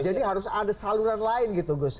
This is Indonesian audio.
jadi harus ada saluran lain gitu gus